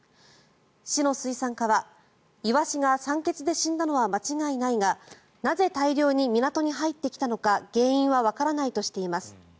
市の水産課は、イワシが酸欠で死んだのは間違いないがなぜ大量に港に入ってきたのか原因はわからないとしています。